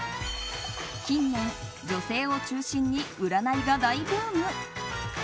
近年、女性を中心に占いが大ブーム。